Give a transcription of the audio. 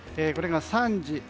これが３時。